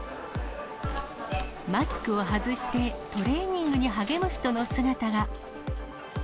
マスクを外してトレーニングに励む人の姿が。